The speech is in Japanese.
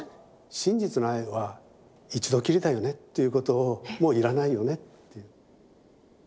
真実の愛は一度きりだよねっていうことをもう要らないよねっていう。